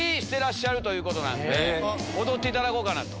踊っていただこうかなと。